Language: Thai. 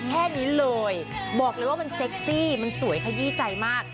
แค่นี้เลยบอกเลยว่ามันเซ็กซี่มันสวยขยี้ใจมาก